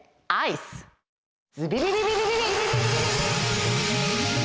ズビビビビビビビ！